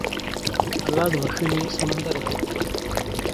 الله د بښنې سمندر دی.